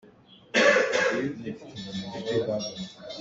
A biachim a fum.